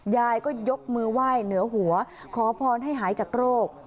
ยายก็ยกมือไหว้เหนือหัวขอพรให้หายจากโรค